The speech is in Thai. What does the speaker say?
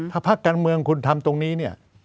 ถ้าพักการเมืองคุณทำตรงนี้